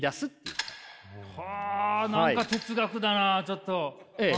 はあ何か哲学だなちょっと。